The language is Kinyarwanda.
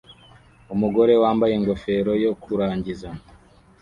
umugore wambaye ingofero yo kurangiza